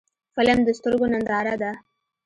فلم د سترګو ننداره ده